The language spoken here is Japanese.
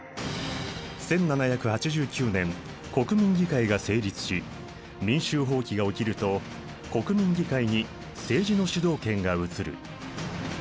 １７８９年国民議会が成立し民衆蜂起が起きると国民議会に政治の主導権が移る。